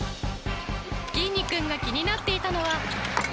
きんに君が気になっていたのは。